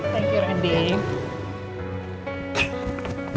terima kasih rendy